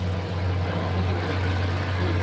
じゃあホテルで会ってた女はどういう女だ？